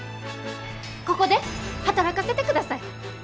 ここで働かせてください。